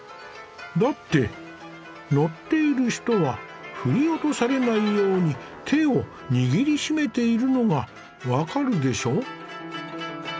だって乗っている人は振り落とされないように手を握り締めているのが分かるでしょ。